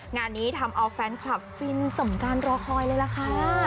งานนี้ทำเอาแฟนคลับฟินสมการรอคอยเลยล่ะค่ะ